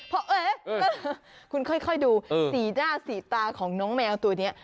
เพราะคุณค่อยดูสีหน้าสีตาของน้องแมวตัวนี้